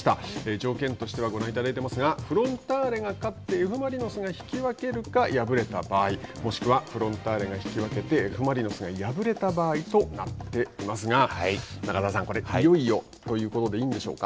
条件としてはご覧いただいてますがフロンターレが勝ってＦ・マリノスが引き分けるか敗れた場合もしくはフロンターレが引き分けてＦ・マリノスが敗れた場合となっていますが中澤さん、これいよいよということでいいんでしょうか？